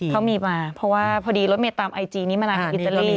เขามีมาเพราะว่าพอดีรถเมย์ตามไอจีนี้มานานกับอิตาลี